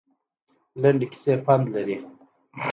لنډې کیسې پند لري